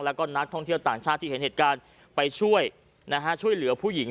แล้วก็นักท่องเที่ยวต่างชาติที่เห็นเหตุการณ์ไปช่วยนะฮะช่วยเหลือผู้หญิง